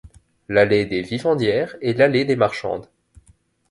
L'allée des Vivandières est l'allée des marchandes.